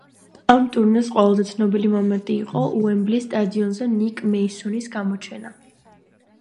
ამ ტურნეს ყველაზე ცნობილი მომენტი იყო უემბლის სტადიონზე ნიკ მეისონის გამოჩენა.